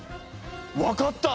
わかった！